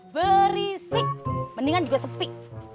berisik mendingan juga sepi